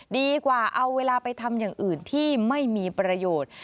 ดีกว่าเอาเวลาไปทำอย่างอื่นที่ไม่มีประโยชน์